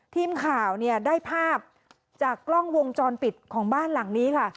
ทีมข่าวเนี่ยได้ภาพจากกล้องวงจรปิดของบ้านหลังนี้ค่ะ